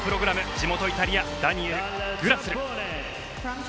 地元イタリアダニエル・グラスル。